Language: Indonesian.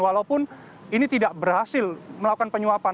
walaupun ini tidak berhasil melakukan penyuapan